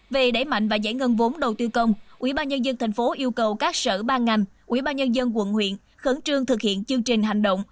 về đẩy mạnh và giải ngân vốn đầu tư công quỹ ban nhân dân tp hcm yêu cầu các sở ban ngành quỹ ban nhân dân quận huyện khấn trương thực hiện chương trình hành động